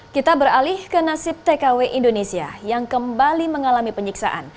kita beralih ke nasib tkw indonesia yang kembali mengalami penyiksaan